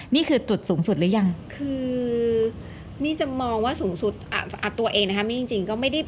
นี่คือจุดสูงสุดหรือยังคือนี่จะมองว่าสูงสุดตัวเองนะคะมีจริงก็ไม่ได้